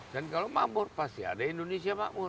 dan kalau makmur pasti ada indonesia makmur